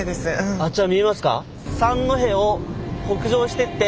あちら見えますか？